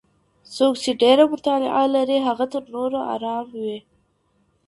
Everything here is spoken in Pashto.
څوک چي ډېره مطالعه لري هغه تر نورو ارام وي.